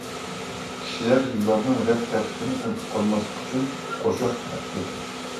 كىشىلەر يىللارنىڭ رەت تەرتىپىنى ئۇنتۇپ قالماسلىق ئۈچۈن قوشاق توقۇپتۇ.